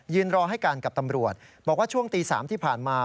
รอให้การกับตำรวจบอกว่าช่วงตี๓ที่ผ่านมา